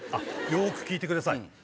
よく聞いてください。